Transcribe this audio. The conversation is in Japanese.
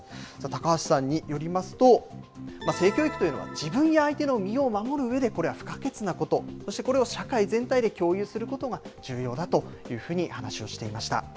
高橋さんによりますと、性教育というのは、自分や相手の身を守るうえで、これは不可欠なこと、そしてこれを社会全体で共有することが重要だというふうに話をしていました。